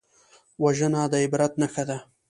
وژنه د عبرت نښه ده